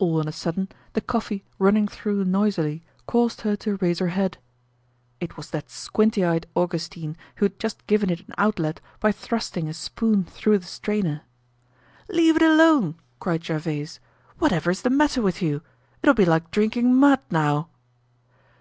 All on a sudden the coffee running through noisily caused her to raise her head. It was that squint eyed Augustine who had just given it an outlet by thrusting a spoon through the strainer. "Leave it alone!" cried Gervaise. "Whatever is the matter with you? It'll be like drinking mud now."